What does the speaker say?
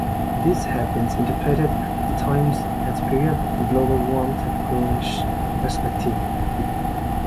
These have been interpreted, at times, as periods of global warmth and coolness, respectively.